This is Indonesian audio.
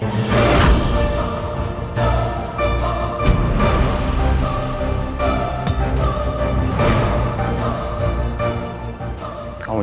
kau mau ngapain alvaro